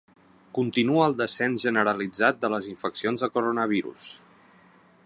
Continua el descens generalitzat de les infeccions de coronavirus.